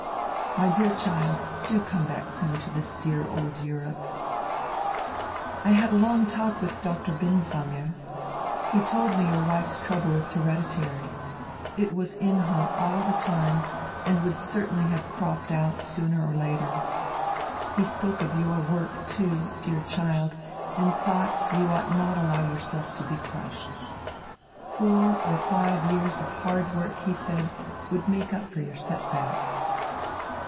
My dear child, do come back soon to this dear old Europe. I had a long talk with Doctor Binswanger. He told me your wife's trouble is hereditary. It was in her all the time and would certainly have cropped out, sooner or later. He spoke of your work, too, dear child, and thought you ought not allow yourself to be crushed. Four or five years of hard work, he said, would make up for your set back.